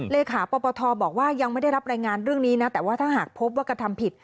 เลขาปปทบอกว่ายังไม่ได้รับรายงานเรื่องนี้นะแต่ว่าถ้าหากพบว่ากระทำผิด